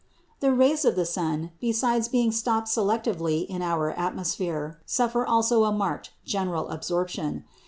The rays of the sun, besides being stopped selectively in our atmosphere, suffer also a marked general absorption.